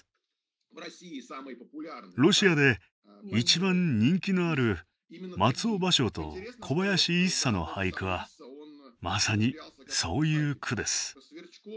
ロシアで一番人気のある松尾芭蕉と小林一茶の俳句はまさにそういう句です。